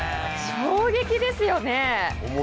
衝撃ですよね。